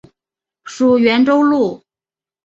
属袁州路。